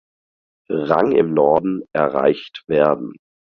Rang im Norden erreicht werden.